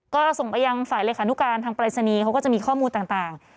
ก็ส่งไปยังฝ่ายเลขานุการทางปรายศนีย์เขาก็จะมีข้อมูลต่าง